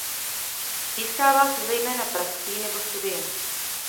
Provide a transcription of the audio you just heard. Získává se zejména praxí nebo studiem.